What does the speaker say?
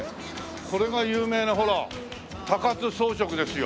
これが有名なほら高津装飾ですよ。